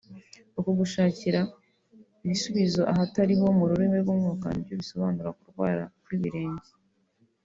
uku gushakira ibisubizo ahatari ho mu rurimi rw’umwuka ni byo bisobanura kurwara kw’ibirenge